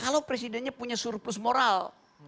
kalau presidennya punya surplus moral